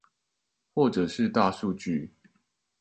或者是大數據